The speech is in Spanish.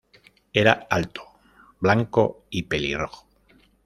Era alto, blanco y pelirrojo.